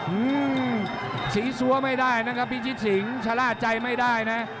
อืมสีซัวไม่ได้นะครับพิชิตสิงชะล่าใจไม่ได้นะ